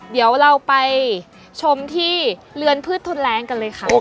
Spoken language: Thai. เดี๋ยวเราไปชมที่เลือนพืชทนแรงกันเลยค่ะโอเคไปเลย